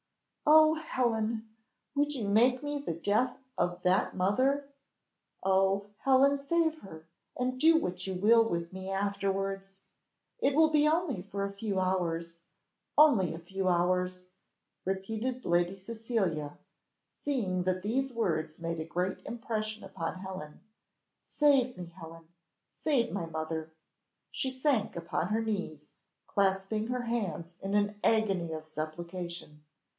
"Oh, Helen! would you make me the death of that mother? Oh, Helen, save her! and do what you will with me afterwards. It will be only for a few hours only a few hours!" repeated Lady Cecilia, seeing that these words made a great impression upon Helen, "Save me, Helen! save my mother." She sank upon her knees, clasping her hands in an agony of supplication.